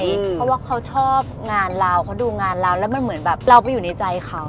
เพราะว่าเขาชอบงานเราเขาดูงานเราแล้วมันเหมือนแบบเราไปอยู่ในใจเขา